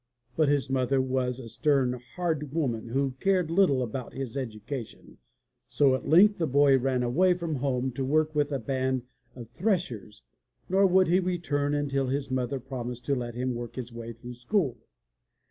But his mother was a stern, hard woman, who cared little about his education, so at length the boy ran away from home to work with a band of threshers, nor would he return until his mother promised to let him work his way through school.